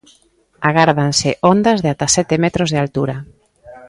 Agárdanse ondas de ata sete metros de altura.